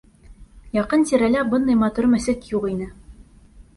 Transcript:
Яҡын-тирәлә бындай матур мәсет юҡ ине.